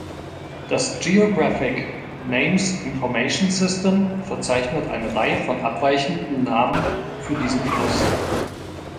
Das Geographic Names Information System verzeichnet eine Reihe von abweichenden Namen für diesen Fluss.